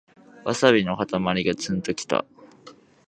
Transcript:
ワサビのかたまりがツンときた